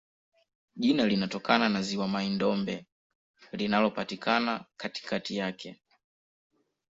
Jina linatokana na ziwa Mai-Ndombe linalopatikana katikati yake.